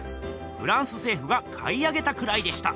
フランス政府が買い上げたくらいでした。